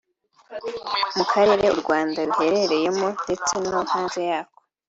mu karere U Rwanda ruherereyemo ndetse no hanze yako